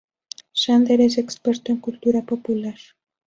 Xander es experto en cultura popular.